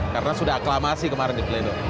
karena sudah aklamasi kemarin di pleno